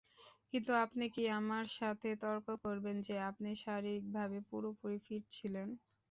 কিন্তু আপনি কী আমার সাথে তর্ক করবেন যে আপনি শারীরিকভাবে পুরোপুরি ফিট ছিলেন?